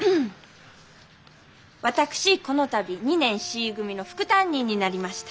私この度２年Ｃ組の副担任になりました。